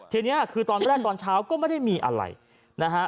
ทีนี้คือตอนแรกตอนเช้าก็ไม่ได้มีอะไรนะฮะ